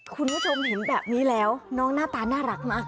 คุณผู้ชมเห็นแบบนี้แล้วน้องหน้าตาน่ารักมาก